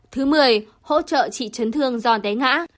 thứ một mươi hỗ trợ trị chấn thương giòn té ngã